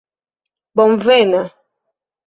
bonvena